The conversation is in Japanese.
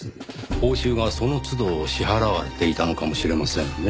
報酬がその都度支払われていたのかもしれませんねぇ。